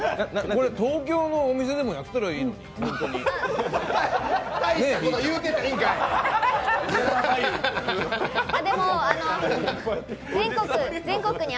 これ、東京のお店でもやったらいいのに、ホントに。